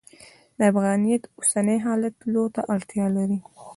د افغانیت اوسني حالت تللو ته اړتیا لري.